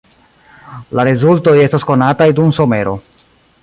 La rezultoj estos konataj dum somero.